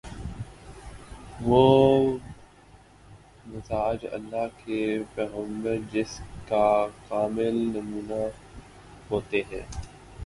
وہ مزاج‘ اللہ کے پیغمبر جس کا کامل نمونہ ہوتے ہیں۔